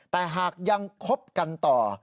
แต่หากยังคบกันต่อ